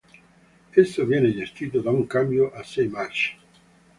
Esso viene gestito da un cambio a sei marce.